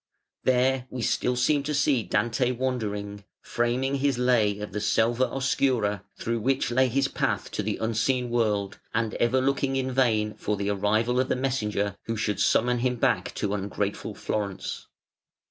There we still seem to see Dante wandering, framing his lay of the "selva oscura", through which lay his path to the unseen world, and ever looking in vain for the arrival of the messenger who should summon him back to ungrateful Florence.